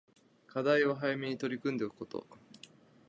課題は早めに取り組んでおくこと